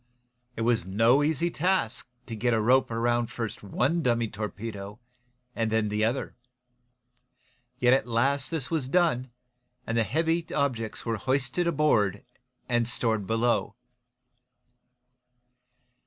It was no easy task to get a rope around first one dummy torpedo, and then the other. Yet at last this was done, and the heavy objects were hoisted aboard and stored below.